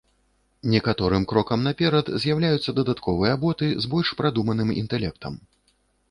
Некаторым крокам наперад з'яўляюцца дадатковыя боты з больш прадуманым інтэлектам.